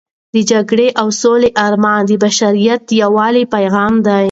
د جګړې او سولې رومان د بشریت د یووالي پیغام دی.